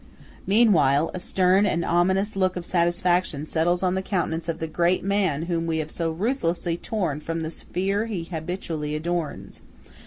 Meanwhile, a stern and ominous look of satisfaction settles on the countenance of the great man whom we have so ruthlessly torn from the sphere he habitually adorns.